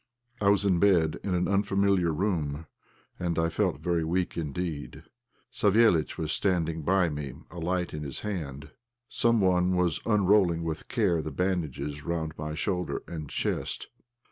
I was in bed in an unfamiliar room, and I felt very weak indeed. Savéliitch was standing by me, a light in his hand. Someone was unrolling with care the bandages round my shoulder and chest.